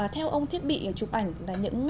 theo ông thiết bị chụp ảnh là những